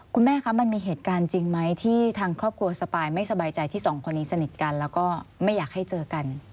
คุณแม่คะมันมีเหตุการณ์จริงไหมที่ทางครอบครัวสปายไม่สบายใจที่สองคนนี้สนิทกันแล้วก็ไม่อยากให้เจอกัน